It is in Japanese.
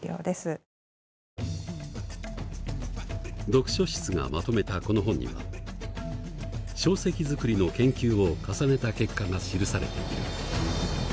読書室がまとめたこの本には硝石作りの研究を重ねた結果が記されている。